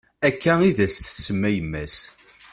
Akka id as-tsemma yemm-as.